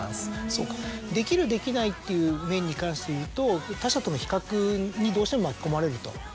そうかできるできないっていう面に関していうと他者との比較にどうしても巻き込まれると。